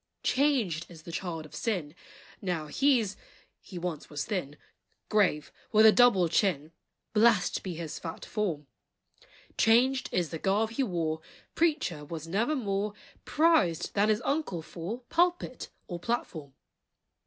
Changed is the child of sin; Now he 's (he once was thin) Grave, with a double chin, Blest be his fat form! Changed is the garb he wore: Preacher was never more Prized than is uncle for Pulpit or platform.